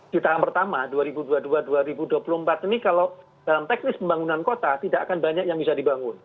di tahap pertama dua ribu dua puluh dua dua ribu dua puluh empat ini kalau dalam teknis pembangunan kota tidak akan banyak yang bisa dibangun